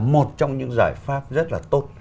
một trong những giải pháp rất là tốt